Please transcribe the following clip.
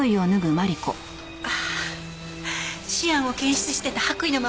ああシアンを検出してた白衣のまま来ちゃって。